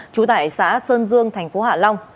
trú tại xã sơn dương thành phố hạ long